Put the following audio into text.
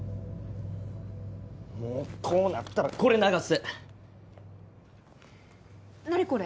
もうこうなったらこれ流す何これ？